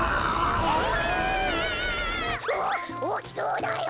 おおきそうだよ。